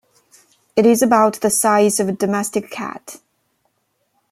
It is about the size of a domestic cat.